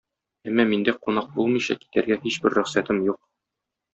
Әмма миндә кунак булмыйча китәргә һичбер рөхсәтем юк.